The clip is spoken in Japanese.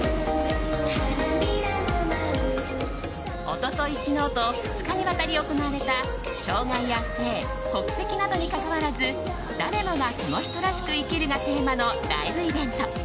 一昨日、昨日と２日にわたり行われた障害や性、国籍などにかかわらず誰もがその人らしく生きるがテーマのライブイベント。